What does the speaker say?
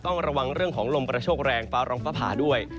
ต้องระวังเรื่องของลมกระโชคแรงฟ้าร้องฟ้าผ่าด้วย